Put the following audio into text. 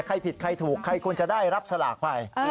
ใครผิดใครถูกใครควรจะได้รับสลากไป